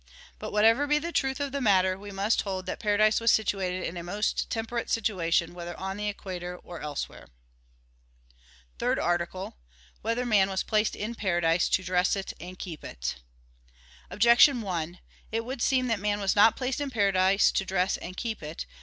But whatever be the truth of the matter, we must hold that paradise was situated in a most temperate situation, whether on the equator or elsewhere. _______________________ THIRD ARTICLE [I, Q. 102, Art. 3] Whether Man Was Placed in Paradise to Dress It and Keep It? Objection 1: It would seem that man was not placed in paradise to dress and keep it.